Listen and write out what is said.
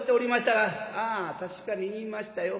「ああ確かに言いましたよ。